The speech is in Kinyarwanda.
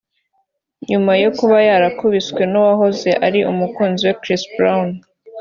nyuma yo kuba yarakubiswe n’uwahoze ari umukunzi we Chris Brown